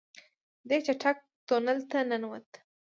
دی چټک تونل ته ننوت.